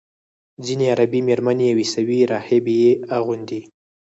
ځینې عربي میرمنې او عیسوي راهبې یې اغوندي.